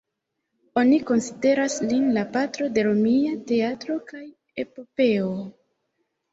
Oni konsideras lin la patro de romia teatro kaj epopeo.